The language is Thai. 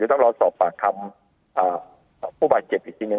ต้องรอสอบปากคำผู้บาดเจ็บอีกทีหนึ่ง